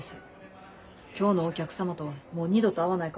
今日のお客様とはもう二度と会わないかもしれません。